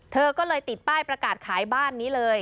เธอก็เลยติดป้ายประกาศขายบ้านนี้เลย